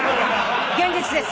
現実です。